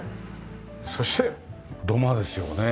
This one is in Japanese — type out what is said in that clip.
そして土間ですよね。